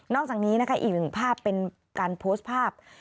จากนี้นะคะอีกหนึ่งภาพเป็นการโพสต์ภาพ